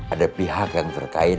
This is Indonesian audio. ada pihak yang terkait